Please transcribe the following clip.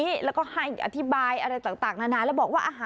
เดี๋ยวเล่าให้ฟังต่อให้คุณผู้ชมดูคลิปกันก่อนนะคะดูรายละเอียดกันก่อนค่ะ